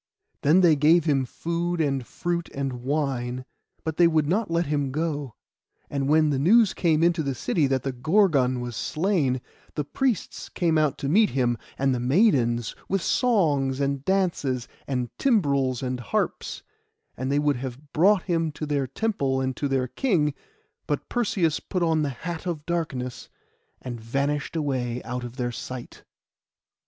Then they gave him food, and fruit, and wine; but they would not let him go. And when the news came into the city that the Gorgon was slain, the priests came out to meet him, and the maidens, with songs and dances, and timbrels and harps; and they would have brought him to their temple and to their king; but Perseus put on the hat of darkness, and vanished away out of their sight.